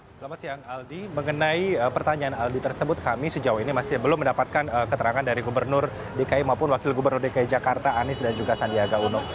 selamat siang aldi mengenai pertanyaan aldi tersebut kami sejauh ini masih belum mendapatkan keterangan dari gubernur dki maupun wakil gubernur dki jakarta anies dan juga sandiaga uno